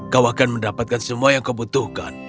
kau akan mendapatkan semua yang kau butuhkan